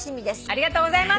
ありがとうございます！